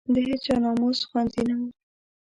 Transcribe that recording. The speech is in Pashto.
د هېچا ناموس خوندي نه وو.